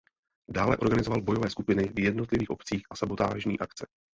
Dále organizoval bojové skupiny v jednotlivých obcích a sabotážní akce.